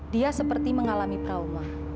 dia seperti mengalami trauma